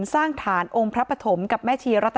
สร้างฐานองค์พระปฐมกับแม่ชีรัต